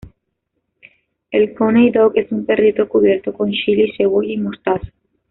El "Coney dog" es un perrito cubierto con chili, cebolla y mostaza.